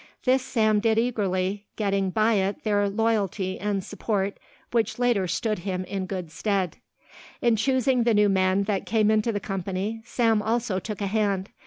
This Sam did eagerly, getting by it their loyalty and support which later stood him in good stead. In choosing the new men that came into the company Sam also took a hand.